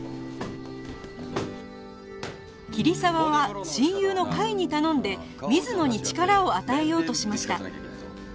桐沢は親友の甲斐に頼んで水野に力を与えようとしました